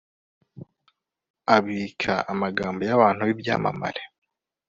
abika amagambo y'abantu b'ibyamamare